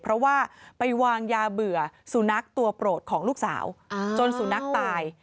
เพราะว่าไปวางยาเบื่อสุนัขตัวโปรดของลูกสาวจนสุนัขตาย